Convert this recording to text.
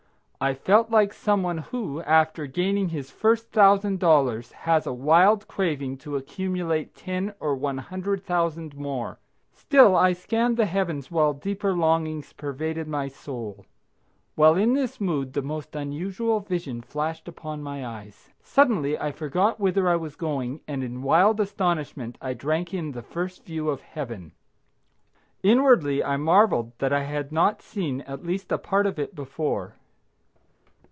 I felt like some one who, after gaining his first thousand dollars, has a wild craving to accumulate ten or one hundred thousand more. Still I scanned the heavens while deeper longings pervaded my soul. While in this mood the most unusual vision flashed upon my eyes. Suddenly I forgot whither I was going and in wild astonishment I drank in the first view of Heaven. Inwardly I marveled that I had not seen at least a part of it before.